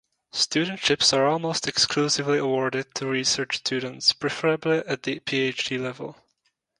Studentships are almost exclusively awarded to research students, preferably at the Ph.D. level.